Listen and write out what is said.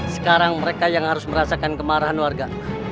sekarang mereka yang harus merasakan kemarahan warga